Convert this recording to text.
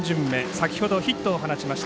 先ほどヒットを放ちました